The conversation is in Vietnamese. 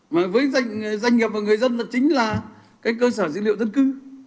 mà với doanh nghiệp và người dân là chính là cơ sở dữ liệu thân cư